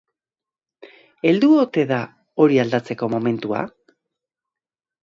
Heldu ote da hori aldatzeko momentua?